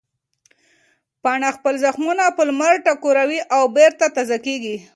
پاڼه خپل زخمونه په لمر ټکوروي او بېرته تازه کېږي.